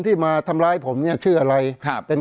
เพราะฉะนั้นประชาธิปไตยเนี่ยคือการยอมรับความเห็นที่แตกต่าง